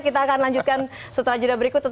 oke langkah langkah selanjutnya